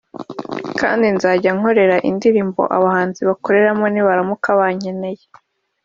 kandi nzajya nkorera indirimbo abahanzi bakoreramo nibaramuka bankeneye